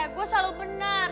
gua selalu benar